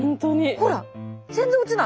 ほら全然落ちない。